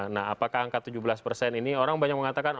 nah apakah angka tujuh belas persen ini orang banyak mengatakan